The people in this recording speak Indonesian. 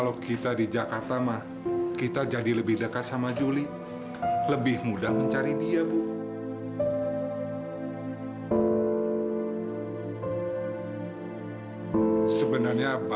sampai jumpa di video selanjutnya